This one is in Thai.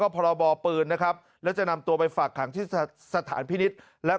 พรบปืนนะครับแล้วจะนำตัวไปฝากขังที่สถานพินิษฐ์และ